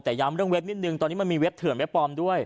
แต่ย้ำเรื่องเว็บนิดนึงตอนนี้มันมีเว็บเถื่อนเว็บปลอมด้วย